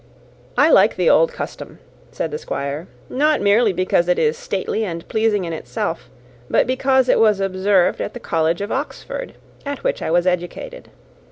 "I like the old custom," said the Squire, "not merely because it is stately and pleasing in itself, but because it was observed at the College of Oxford, at which I was educated.